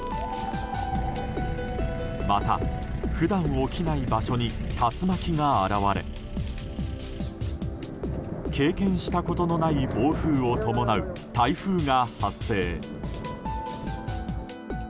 また普段起きない場所に竜巻が現れ経験したことのない暴風を伴う台風が発生。